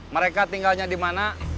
mereka tinggalnya dimana